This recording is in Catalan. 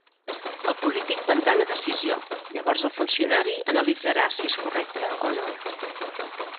El polític prendrà una decisió, llavors el funcionari analitzarà si és correcta o no.